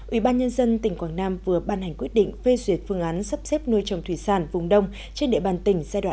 ubnd tỉnh quảng nam vừa ban hành quyết định phê duyệt phương án sắp xếp nuôi trồng thủy sản vùng đông trên địa bàn tỉnh giai đoạn hai nghìn một mươi chín hai nghìn ba mươi